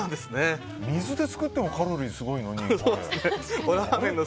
水で作ってもカロリーすごいのに。